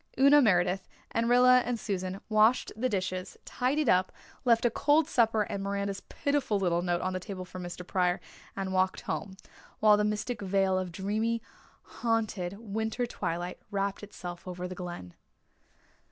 Una Meredith and Rilla and Susan washed the dishes, tidied up, left a cold supper and Miranda's pitiful little note on the table for Mr. Pryor, and walked home, while the mystic veil of dreamy, haunted winter twilight wrapped itself over the Glen.